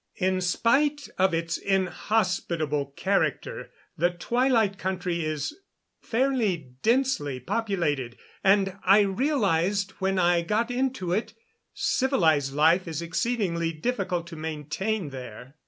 In spite of its inhospitable character the Twilight Country is fairly densely populated; and, I realized when I got into it, civilized life is exceedingly difficult to maintain there.